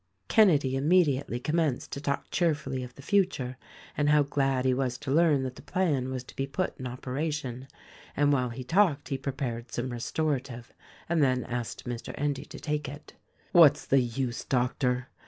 Kenedy immediately commenced to talk cheerfully of the future and how glad he was to learn that the plan was to be put in operation, and while he talked he prepared some res torative and then asked Mr. Endy to take it. "What's the use, Doctor?